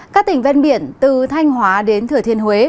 các tỉnh ven biển từ thanh hóa đến thừa thiên huế